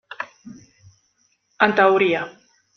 En teoria.